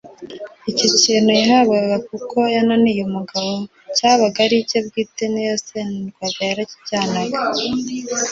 Icyo kintu yahabwaga kuko yananiye umugabo cyabaga ari icye bwite n’iyo yasendwaga yarakijyanaga.